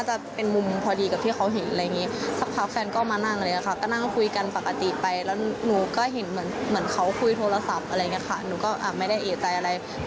แต่ก็แบบเวลานั่งก็จะเห็นต้นขาอะไรอย่างนี้ค่ะ